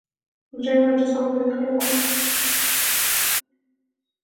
درې واړه جسما قوي خلک وه.